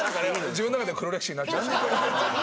自分の中では黒歴史になっちゃう。